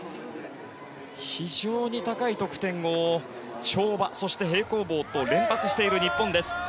非常に高い得点を跳馬、そして平行棒と連発している日本です。